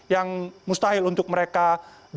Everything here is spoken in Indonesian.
yang mustahil untuk mereka